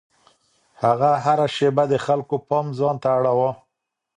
هغه هره شېبه د خلکو پام ځان ته اړاوه.